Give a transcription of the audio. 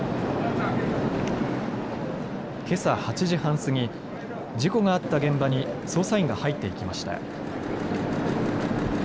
けさ８時半過ぎ、事故があった現場に捜査員が入っていきました。